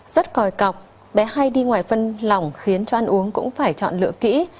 rất còi cọc bé hay đi ngoài phân lỏng khiến cho ăn uống cũng phải chọn lựa kỹ